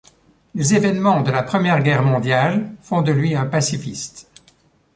Les événements de la première guerre mondiale font de lui un pacifiste.